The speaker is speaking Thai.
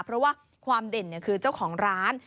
เพราะว่าความเด่นคือเจ้าของร้าน